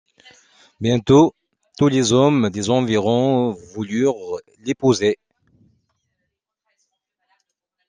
Bientôt, tous les hommes des environs voulurent l'épouser.